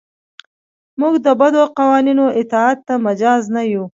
موږ د بدو قوانینو اطاعت ته مجاز نه یو.